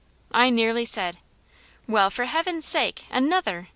I nearly said, "Well, for heaven's sake, another!"